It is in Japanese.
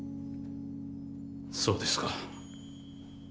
そうですか。